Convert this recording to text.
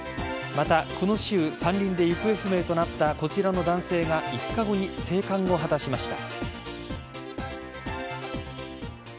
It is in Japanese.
また、この週山林で行方不明となったこちらの男性が５日後に生還を果たしました。